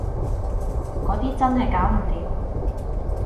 嗰啲真係搞唔掂